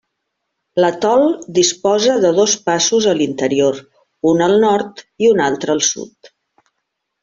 L'atol disposa de dos passos a l'interior, un al nord i un altre al sud.